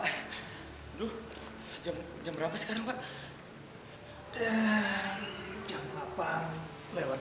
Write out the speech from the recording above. aduh jam berapa sekarang pak